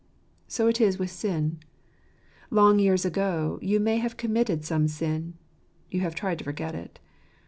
So is it with sin. Long years ago, you may have committed some sin ; you have tried to forget it.